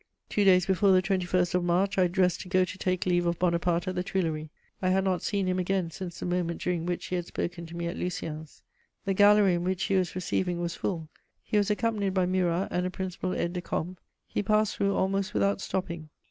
Two days before the 21st of March, I dressed to go to take leave of Bonaparte at the Tuileries; I had not seen him again since the moment during which he had spoken to me at Lucien's. The gallery in which he was receiving was full; he was accompanied by Murat and a principal aide de camp; he passed through almost without stopping.